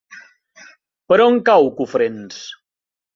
Per on cau Cofrents?